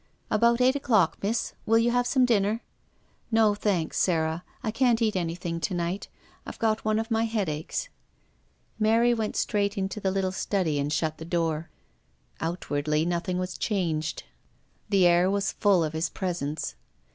"About eight o'clock, miss. Will you have some dinner?" " No, thanks, Sarah. I can't eat anything to night. I've got one of my headaches." Mary went straight into the little study and shut the door. Outwardly nothing was changed. The air was full of his presence.